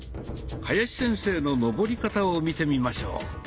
林先生の上り方を見てみましょう。